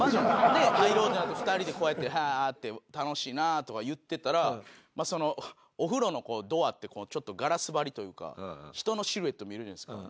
で入ろうってなって２人でこうやって「楽しいな」とか言ってたらお風呂のドアってガラス張りというか人のシルエット見えるじゃないですか。